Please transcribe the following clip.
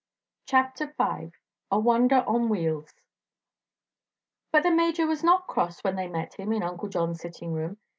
CHAPTER V A WONDER ON WHEELS But the Major was not cross when they met him in Uncle John's sitting room.